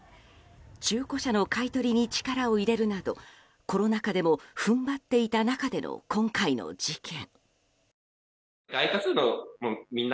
中古車の買い取りに力を入れるなどコロナ禍でも踏ん張っていた中での今回の事件。